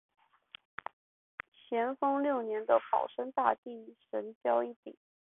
咸丰六年的保生大帝神轿一顶。